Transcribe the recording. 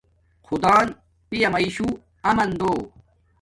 خدان پیامیشو آمان دو